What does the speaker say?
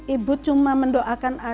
ibu cuma mendoakan aja